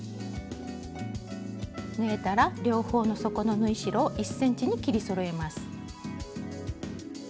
縫えたら両方の底の縫い代を１ｃｍに切りそろえます。